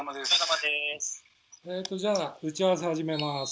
えとじゃあ打ち合わせを始めます。